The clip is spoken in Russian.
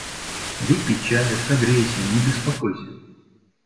Выпей чаю, согрейся, не беспокойся.